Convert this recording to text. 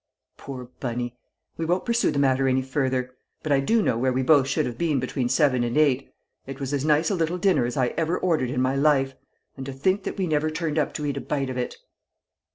"Poor Bunny! We won't pursue the matter any further; but I do know where we both should have been between seven and eight. It was as nice a little dinner as I ever ordered in my life. And to think that we never turned up to eat a bite of it!"